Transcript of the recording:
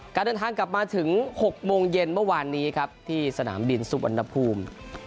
การเดินทางกลับมาถึง๖โมงเย็นเมื่อวานนี้ครับที่สนามบินสุวรรณภูมิ